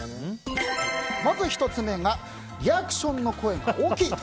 まず１つ目がリアクションの声が大きい！と。